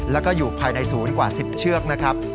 แล้วก็อยู่ภายในศูนย์กว่า๑๐เชือกนะครับ